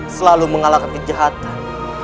selalu mengalahkan kejahatan